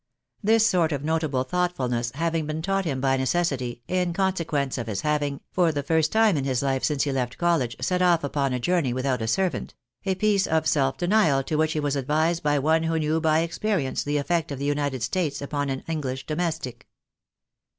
This sort of notable thoughtfulness having been taught him by neces sity, in consequence of his having, for the first time in his life since he left college, set off upon a journey without a servant ; a piece of self denial to which he was advised by one who knew by experience the effect of the United States upon an Enghsh domestic.